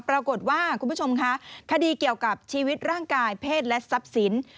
ปรากฏว่าคุณผู้ชมคะคดีเกี่ยวกับชีวิตร่างกายเพศและทรัพย์สิน